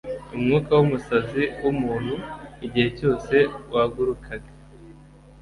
umwuka wumusazi wumuntu igihe cyose wagurukaga